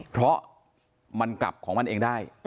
เพราะมันกลับของมันเองได้